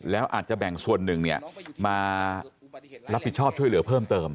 แล้วอาจจะแบ่งส่วนหนึ่งมารับผิดชอบช่วยเหลือเพิ่มเติม